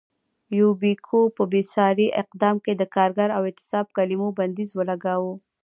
یوبیکو په بېساري اقدام کې د کارګر او اعتصاب کلیمو بندیز ولګاوه.